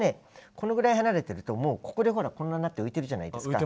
このぐらい離れてるともうここでほらこんなんなって浮いてるじゃないですか。